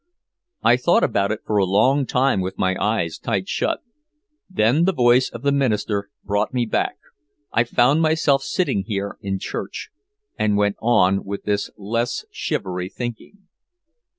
I thought about it for a long time with my eyes tight shut. Then the voice of the minister brought me back, I found myself sitting here in church and went on with this less shivery thinking.